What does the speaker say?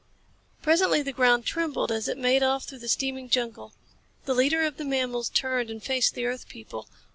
Presently the ground trembled as it made off through the steaming jungle. The leader of the mammals turned and faced the earth people.